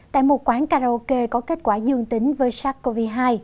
tại một quán karaoke có kết quả dương tính với sars cov hai